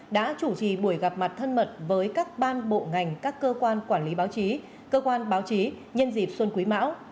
đã chủ trì buổi gặp mặt thân mật với các ban bộ ngành các cơ quan quản lý báo chí cơ quan báo chí nhân dịp xuân quý mão